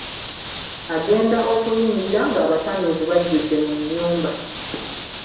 Agenda okuyingira ng'abatamiivu bajjudde mu nnyumba.